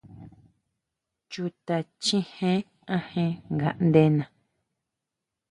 Chuta chijé ajen ngaʼndena.